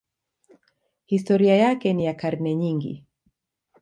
Historia yake ni ya karne nyingi.